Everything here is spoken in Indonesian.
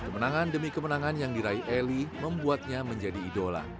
kemenangan demi kemenangan yang diraih eli membuatnya menjadi idola